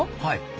はい。